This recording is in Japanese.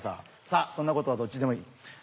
さあそんなことはどっちでもいい。